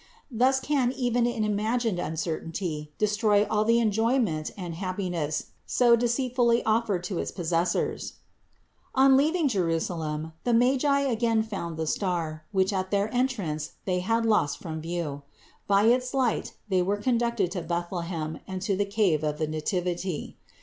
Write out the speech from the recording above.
Thus can even an imagined uncertainty destroy all the enjoyment and happiness so deceitfully offered to its possessors. 559. On leaving Jerusalem the Magi again found the star, which at their entrance they had lost from view. By its light they were conducted to Bethlehem and to the cave of the Nativity.